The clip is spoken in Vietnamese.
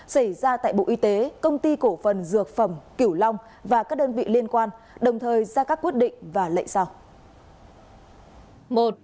xảy ra tại bộ y tế công ty cổ phần dược phẩm kiểu long và các đơn vị liên quan đồng thời ra các quyết định và lệnh sau